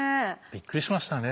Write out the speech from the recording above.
びっくりしましたね。